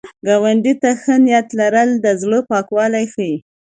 ګاونډي ته ښه نیت لرل، د زړه پاکوالی ښيي